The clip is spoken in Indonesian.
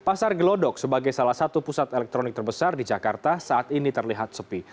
pasar gelodok sebagai salah satu pusat elektronik terbesar di jakarta saat ini terlihat sepi